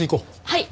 はい！